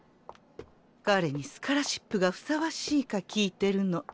彼にスカラシップがふさわしいか聞いてるの。